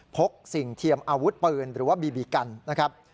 สิ่งเทียมอาวุธปืนหรือว่าบีบีกันนะครับ